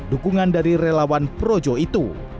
dukungan dari relawan projo itu